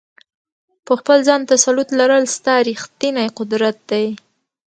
په خپل ځان تسلط لرل، ستا ریښتنی قدرت دی.